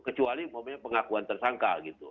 kecuali pengakuan tersangka gitu